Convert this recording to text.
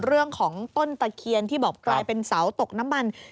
เรื่องของต้นตะเคียนที่บอกกลายเป็นเสาตกน้ำมัน